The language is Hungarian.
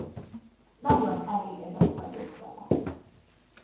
Nagyon elégedett vagyok vele.